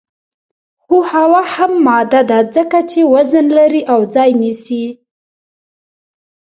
هو هوا هم ماده ده ځکه چې وزن لري او ځای نیسي